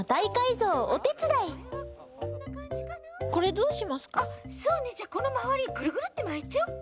そうねじゃあこのまわりグルグルッてまいちゃおっか。